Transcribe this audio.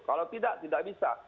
kalau tidak tidak bisa